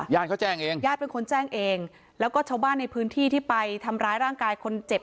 เขาแจ้งเองญาติเป็นคนแจ้งเองแล้วก็ชาวบ้านในพื้นที่ที่ไปทำร้ายร่างกายคนเจ็บ